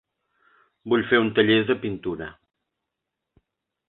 Vull fer un taller de pintura.